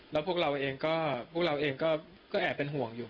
แล้วพวกเราเองก็แอบเป็นห่วงอยู่